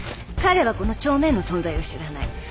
彼はこの帳面の存在を知らない。